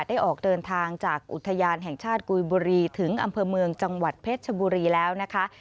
ออกเดินทางจากอุทยานแห่งชาติกุยบุรีถึงอำเภอเมืองจังหวัดเพชรชบุรีแล้วนะคะ